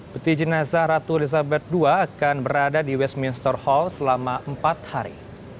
peti jenazah ratu elizabeth ii akan berada di westminster hall selama empat hari